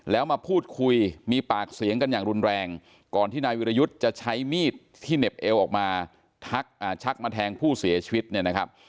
แล้วมาพูดคุยมีปากเสียงกันอย่างรุนแรงก่อนที่นายวิรยุทธ์จะใช้มีดที่เหน็บเอวออกมาชักมาแทงผู้เสียชีวิตเนี่ยนะครับ